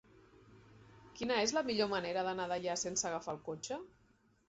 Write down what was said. Quina és la millor manera d'anar a Deià sense agafar el cotxe?